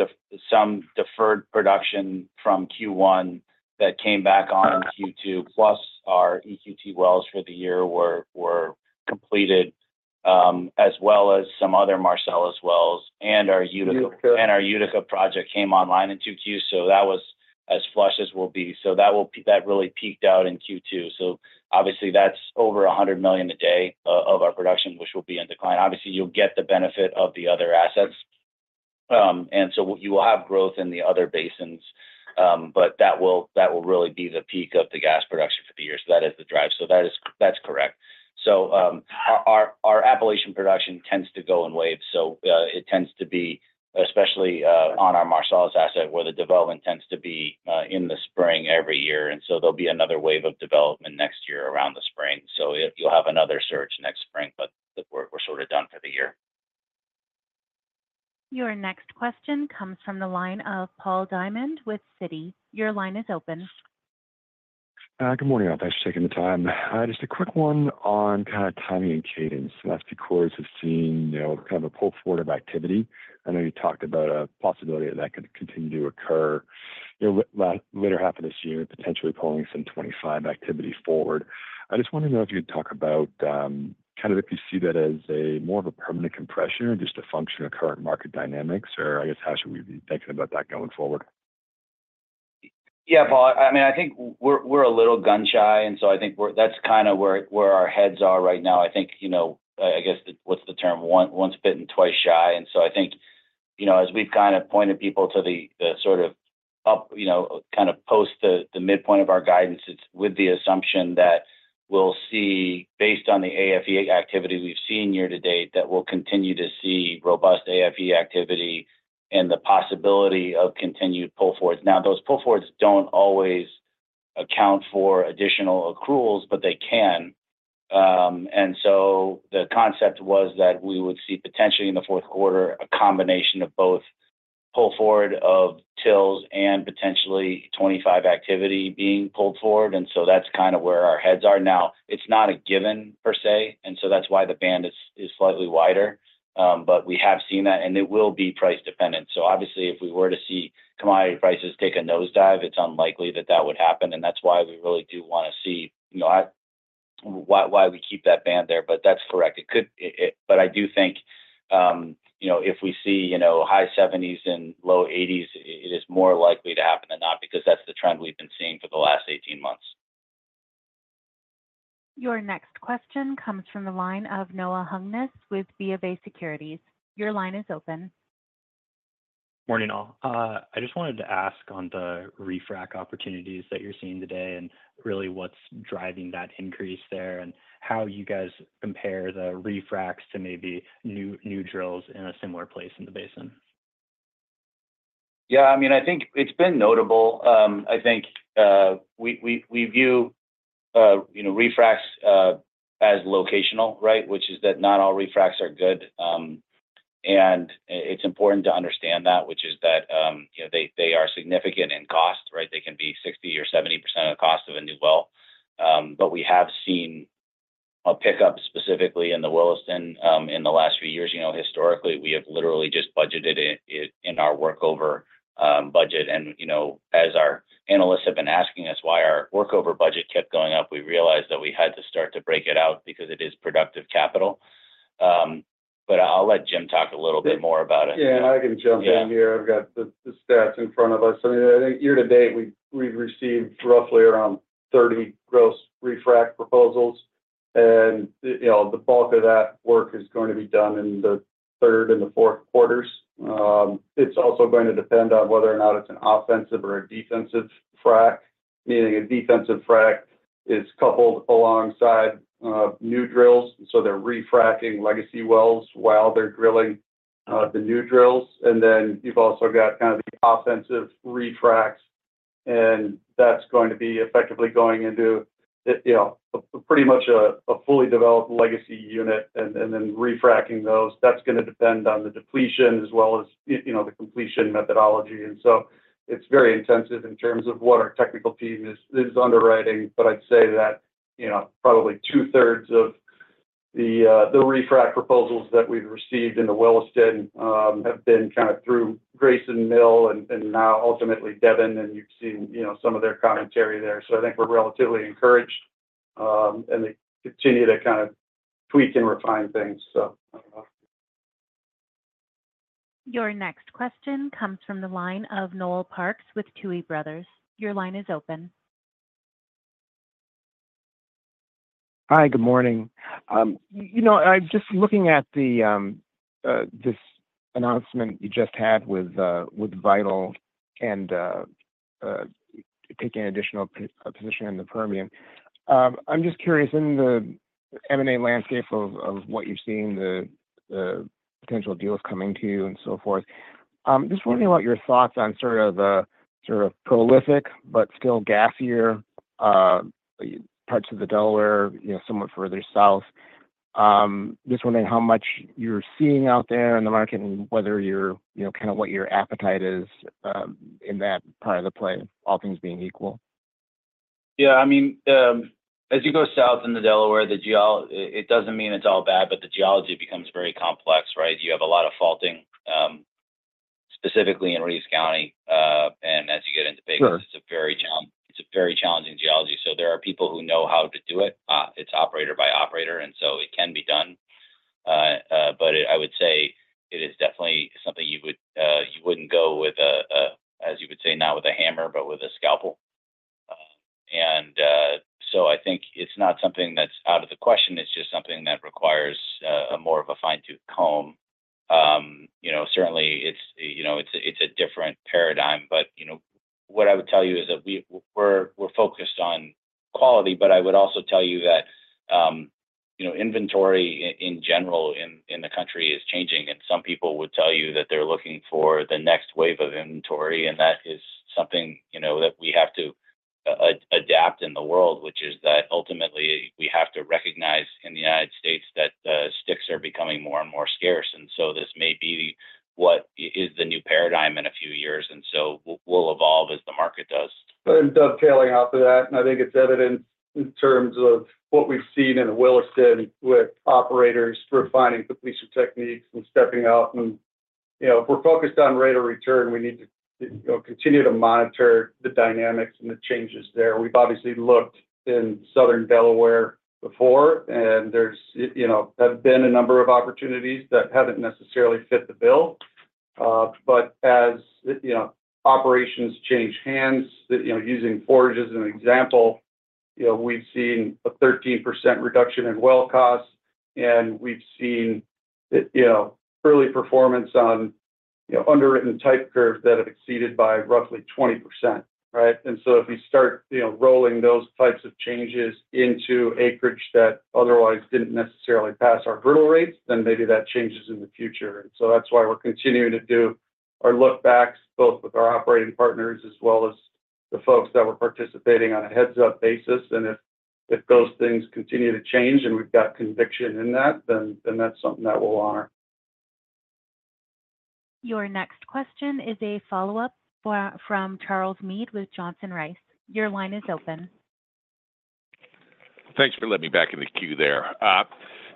deferred production from Q1 that came back on in Q2, plus our EQT wells for the year were completed, as well as some other Marcellus wells, and our Utica- Utica.... Our Utica project came online in Q2, so that was as flush as we'll be. So that really peaked out in Q2. So obviously, that's over 100 million a day of our production, which will be in decline. Obviously, you'll get the benefit of the other assets. And so you will have growth in the other basins, but that will really be the peak of the gas production for the year. So that is the drive. So that is... That's correct. So, our Appalachian production tends to go in waves. So it tends to be, especially on our Marcellus asset, where the development tends to be in the spring every year. And so there'll be another wave of development next year around the spring. So you'll have another surge next spring, but we're sort of done for the year. Your next question comes from the line of Paul Diamond with Citi. Your line is open. Good morning, all. Thanks for taking the time. Just a quick one on kind of timing and cadence. The last few quarters, we've seen, you know, kind of a pull forward of activity. I know you talked about a possibility that could continue to occur, you know, latter half of this year, potentially pulling some 2025 activity forward. I just wanted to know if you could talk about, kind of if you see that as a more of a permanent compression or just a function of current market dynamics, or I guess, how should we be thinking about that going forward? Yeah, Paul, I mean, I think we're a little gun-shy, and so I think we're—that's kind of where our heads are right now. I think, you know, I guess, what's the term? Once bitten, twice shy. And so I think, you know, as we've kind of pointed people to the sort of up, you know, kind of post the midpoint of our guidance, it's with the assumption that we'll see based on the AFE activity we've seen year to date, that we'll continue to see robust AFE activity and the possibility of continued pull forwards. Now, those pull forwards don't always account for additional accruals, but they can. And so the concept was that we would see, potentially in the fourth quarter, a combination of both pull forward of tills and potentially 25 activity being pulled forward, and so that's kind of where our heads are now. It's not a given, per se, and so that's why the band is slightly wider. But we have seen that, and it will be price-dependent. So obviously, if we were to see commodity prices take a nosedive, it's unlikely that that would happen, and that's why we really do wanna see... You know, why we keep that band there, but that's correct. It could... But I do think, you know, if we see, you know, high 70s and low 80s, it is more likely to happen than not, because that's the trend we've been seeing for the last 18 months. Your next question comes from the line of Noah Hungness with BofA Securities. Your line is open. Morning, all. I just wanted to ask on the refrac opportunities that you're seeing today, and really what's driving that increase there, and how you guys compare the refracs to maybe new, new drills in a similar place in the basin? Yeah, I mean, I think it's been notable. I think we view you know, refracs as locational, right? Which is that not all refracs are good. And it's important to understand that, which is that you know, they are significant in cost, right? They can be 60%-70% of the cost of a new well. I'll pick up specifically in the Williston in the last few years. You know, historically, we have literally just budgeted it in our workover budget. And you know, as our analysts have been asking us why our workover budget kept going up, we realized that we had to start to break it out because it is productive capital. But I'll let Jim talk a little bit more about it. Yeah, and I can jump in here. Yeah. I've got the stats in front of us. I mean, I think year to date, we've received roughly around 30 gross refrac proposals, and, you know, the bulk of that work is going to be done in the Q3 and Q4. It's also going to depend on whether or not it's an offensive or a defensive frac. Meaning a defensive frac is coupled alongside new drills, so they're refracking legacy wells while they're drilling the new drills. And then you've also got kind of the offensive refracs, and that's going to be effectively going into, you know, a pretty much a fully developed legacy unit and then refracking those. That's gonna depend on the depletion as well as, you know, the completion methodology. It's very intensive in terms of what our technical team is underwriting, but I'd say that, you know, probably 2/3 of the refrac proposals that we've received in the Williston have been kind of through Grayson Mill and now ultimately Devon, and you've seen, you know, some of their commentary there. So I think we're relatively encouraged, and they continue to kind of tweak and refine things, so. Your next question comes from the line of Noel Parks with Tuohy Brothers. Your line is open. Hi, good morning. You know, I'm just looking at the this announcement you just had with with Vital and taking additional p-- position in the Permian. I'm just curious, in the M&A landscape of of what you're seeing, the the potential deals coming to you and so forth, just wondering about your thoughts on sort of sort of prolific but still gassier parts of the Delaware, you know, somewhat further south. Just wondering how much you're seeing out there in the market and whether you're... you know, kind of what your appetite is in that part of the play, all things being equal? Yeah, I mean, as you go south in the Delaware, it doesn't mean it's all bad, but the geology becomes very complex, right? You have a lot of faulting, specifically in Reeves County, and as you get into Baker- Sure. It's a very challenge, it's a very challenging geology. So there are people who know how to do it. It's operator by operator, and so it can be done. But I would say it is definitely something you would, you wouldn't go with, as you would say, not with a hammer, but with a scalpel. And so I think it's not something that's out of the question, it's just something that requires a more of a fine-tooth comb. You know, certainly it's, you know, it's a different paradigm, but, you know, what I would tell you is that we're, we're focused on quality. But I would also tell you that, you know, inventory in general in the country is changing, and some people would tell you that they're looking for the next wave of inventory, and that is something, you know, that we have to adapt in the world, which is that ultimately, we have to recognize in the United States that, sticks are becoming more and more scarce. And so this may be what is the new paradigm in a few years, and so we'll evolve as the market does. Dovetailing off of that, I think it's evident in terms of what we've seen in the Williston with operators refining completion techniques and stepping out. You know, if we're focused on rate of return, we need to, you know, continue to monitor the dynamics and the changes there. We've obviously looked in southern Delaware before, and there's, you know, have been a number of opportunities that haven't necessarily fit the bill. But as, you know, operations change hands, you know, using Forge as an example, you know, we've seen a 13% reduction in well costs, and we've seen, you know, early performance on, you know, underwritten type curves that have exceeded by roughly 20%, right? And so if you start, you know, rolling those types of changes into acreage that otherwise didn't necessarily pass our hurdle rates, then maybe that changes in the future. And so that's why we're continuing to do our lookbacks, both with our operating partners as well as the folks that we're participating on a heads-up basis. And if, if those things continue to change and we've got conviction in that, then, then that's something that we'll honor. Your next question is a follow-up from Charles Meade with Johnson Rice. Your line is open. Thanks for letting me back in the queue there.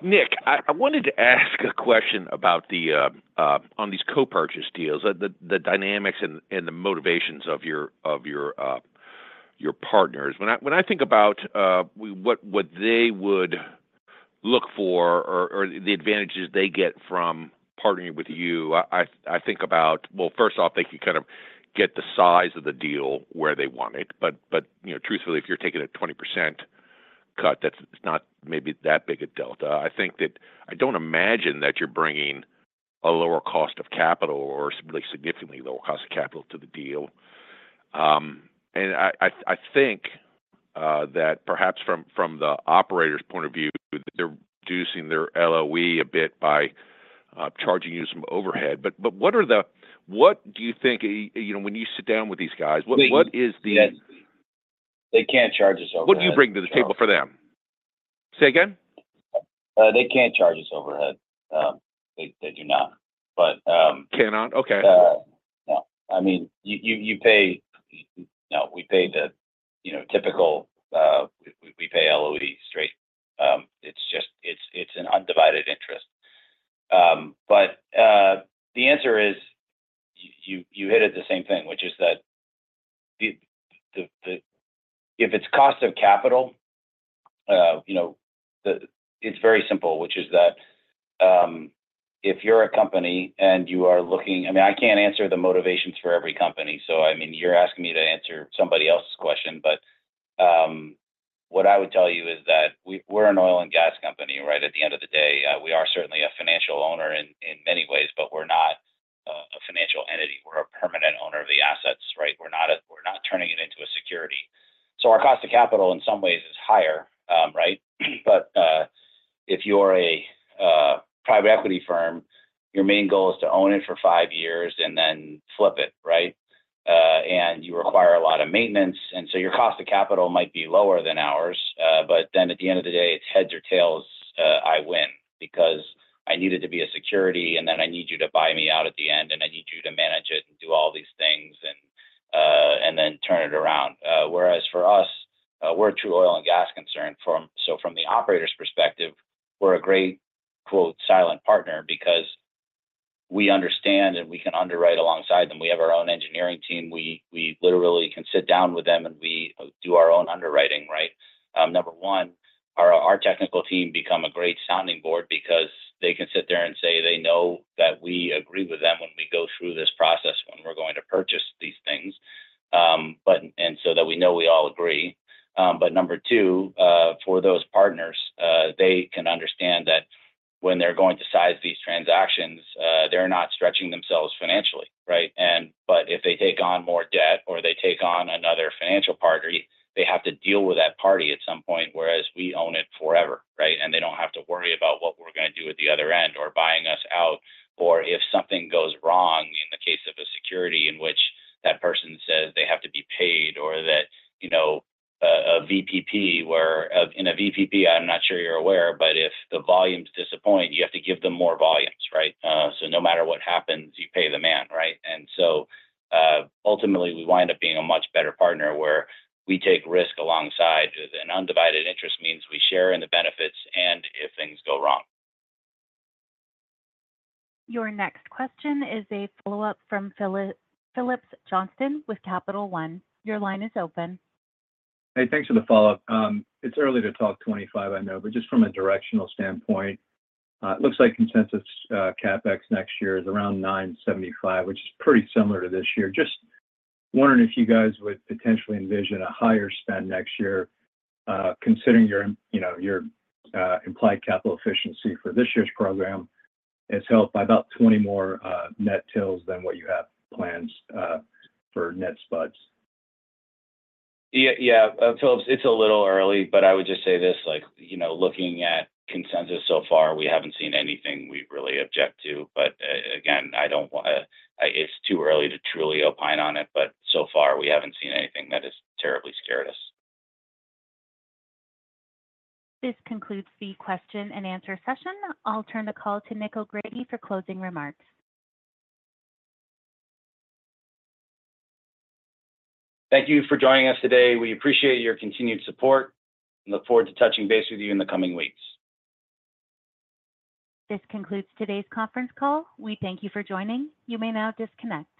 Nick, I wanted to ask a question about the on these co-purchase deals, the dynamics and the motivations of your partners. When I think about what they would look for or the advantages they get from partnering with you, I think about... Well, first off, they can kind of get the size of the deal where they want it. But you know, truthfully, if you're taking a 20% cut, that's not maybe that big a delta. I think that I don't imagine that you're bringing a lower cost of capital or significantly lower cost of capital to the deal. I think that perhaps from the operator's point of view, they're reducing their LOE a bit by charging you some overhead. But what do you think, you know, when you sit down with these guys, what is the- They can't charge us overhead. What do you bring to the table for them? Say again?... They can't charge us overhead. They do not, but- Cannot? Okay. No. I mean, you pay-- No, we pay the, you know, typical, we pay LOE straight. It's just, it's an undivided interest. But, the answer is, you hit it the same thing, which is that the-- if it's cost of capital, you know, the-- it's very simple, which is that, if you're a company and you are looking... I mean, I can't answer the motivations for every company, so I mean, you're asking me to answer somebody else's question. But, what I would tell you is that we're an oil and gas company, right? At the end of the day, we are certainly a financial owner in many ways, but we're not a financial entity. We're a permanent owner of the assets, right? We're not turning it into a security. So our cost of capital in some ways is higher, right? But if you're a private equity firm, your main goal is to own it for five years and then flip it, right? And you require a lot of maintenance, and so your cost of capital might be lower than ours. But then at the end of the day, it's heads or tails, I win because I need it to be a security, and then I need you to buy me out at the end, and I need you to manage it and do all these things, and then turn it around. Whereas for us, we're a true oil and gas concern. So from the operator's perspective, we're a great, quote, "silent partner" because we understand and we can underwrite alongside them. We have our own engineering team. We literally can sit down with them, and we do our own underwriting, right? Number one, our technical team become a great sounding board because they can sit there and say they know that we agree with them when we go through this process, when we're going to purchase these things, so that we know we all agree. Number two, for those partners, they can understand that when they're going to size these transactions, they're not stretching themselves financially, right? But if they take on more debt or they take on another financial party, they have to deal with that party at some point, whereas we own it forever, right? And they don't have to worry about what we're gonna do at the other end or buying us out, or if something goes wrong, in the case of a security, in which that person says they have to be paid or that, you know, a VPP, where... In a VPP, I'm not sure you're aware, but if the volumes disappoint, you have to give them more volumes, right? So no matter what happens, you pay the man, right? And so, ultimately, we wind up being a much better partner, where we take risk alongside. And undivided interest means we share in the benefits and if things go wrong. Your next question is a follow-up from Phillips Johnston with Capital One. Your line is open. Hey, thanks for the follow-up. It's early to talk 2025, I know, but just from a directional standpoint, it looks like consensus CapEx next year is around $975 million, which is pretty similar to this year. Just wondering if you guys would potentially envision a higher spend next year, considering your, you know, your implied capital efficiency for this year's program is helped by about 20 more net wells than what you have planned for net spuds. Yeah, yeah. Phillips, it's a little early, but I would just say this: like, you know, looking at consensus so far, we haven't seen anything we really object to. But again, I don't wanna, it's too early to truly opine on it, but so far we haven't seen anything that has terribly scared us. This concludes the question and answer session. I'll turn the call to Nick O'Grady for closing remarks. Thank you for joining us today. We appreciate your continued support and look forward to touching base with you in the coming weeks. This concludes today's conference call. We thank you for joining. You may now disconnect.